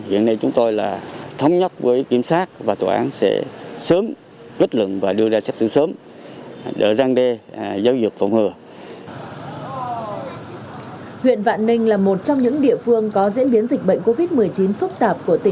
hiện nay chúng tôi là thống nhất với kiểm soát và tòa án sẽ sớm kết luận và đưa ra xét xét